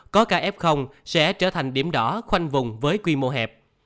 có kf sẽ trở thành điểm đỏ khoanh vùng với quy mô hẹp